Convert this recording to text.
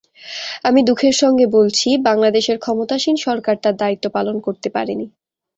আমি দুঃখের সঙ্গে বলছি, বাংলাদেশের ক্ষমতাসীন সরকার তার দায়িত্ব পালন করতে পারেনি।